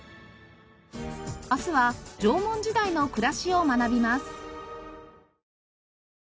明日は縄文時代の暮らしを学びます。